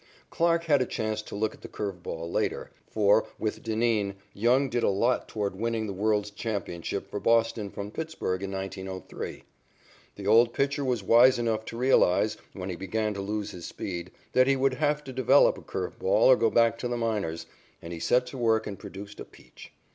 Clarke had a chance to look at the curve ball later, for, with Dineen, Young did a lot toward winning the world's championship for Boston from Pittsburg in 1903. The old pitcher was wise enough to realize, when he began to lose his speed, that he would have to develop a curve ball or go back to the minors, and he set to work and produced a peach.